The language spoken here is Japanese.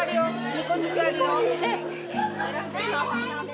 ２個ずつあるよ。